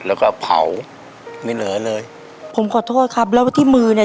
แล้วก็เผาไม่เหลือเลยผมขอโทษครับแล้วที่มือเนี้ย